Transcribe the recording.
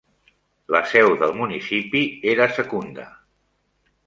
La seu del municipi era Secunda.